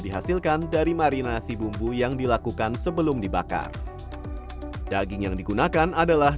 dihasilkan dari marinasi bumbu yang dilakukan sebelum dibakar daging yang digunakan adalah